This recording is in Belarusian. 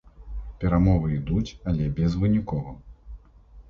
Перамовы ідуць, але безвынікова.